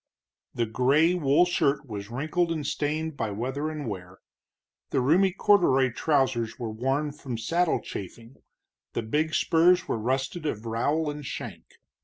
The gray wool shirt was wrinkled and stained by weather and wear, the roomy corduroy trousers were worn from saddle chafing, the big spurs were rusted of rowel and shank.